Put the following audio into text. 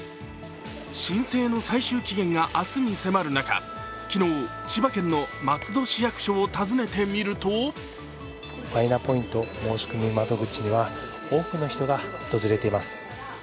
申請の最終期限が明日に迫る中、昨日、千葉県の松戸市役所を訪ねてみるとマイナポイント申し込み窓口には多くの人が訪れています。